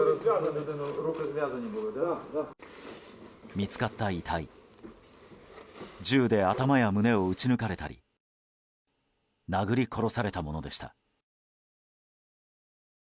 見つかった遺体銃で頭や胸を撃ち抜かれたり殴り殺されたものでした。